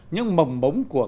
những mầm bóng của